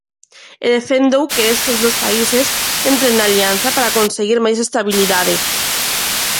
E defendeu que estes dous países entren na Alianza para conseguir máis estabilidade.